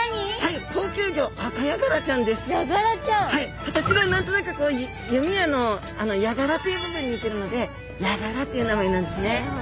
形が何となくこういうふうに弓矢の矢柄という部分に似てるのでヤガラという名前なんですね。